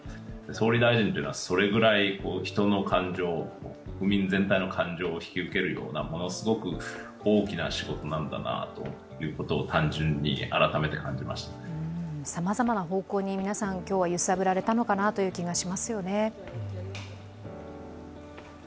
総理大臣というのはそれぐらい人の感情国民全体の感情を引き受けるようなものすごく大きな仕事なんだなということを単純にさまざまな方向に皆さん、今日は揺さぶられたのかなと思いますよね。